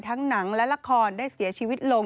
หนังและละครได้เสียชีวิตลง